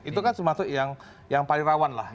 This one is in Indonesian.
itu kan semacam yang paling rawan lah